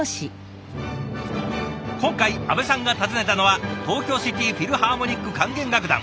今回阿部さんが訪ねたのは東京シティ・フィルハーモニック管弦楽団。